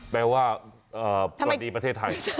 แปลว่าตอนนี้ประเทศไทย